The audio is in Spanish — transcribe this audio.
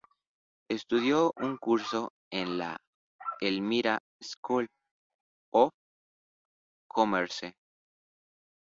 Estudió un curso en la "Elmira School of Commerce".